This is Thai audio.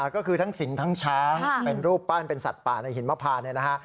ก็คือทั้งสิงทั้งช้างเป็นรูปปั้นเป็นสัตว์ป่าในหิมพานเนี่ยนะฮะ